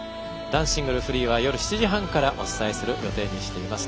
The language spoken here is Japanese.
男子シングルフリーは夜７時半からお伝えします。